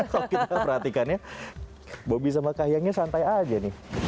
kalau kita perhatikannya bobby sama kahiyangnya santai aja nih